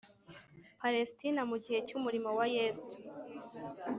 Palesitina mu gihe cyumurimo wa Yesu